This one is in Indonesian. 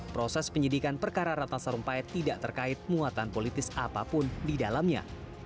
proses penyidikan perkara ratna sarumpait tidak terkait muatan politis apapun di dalamnya